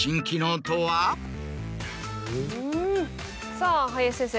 さぁ林先生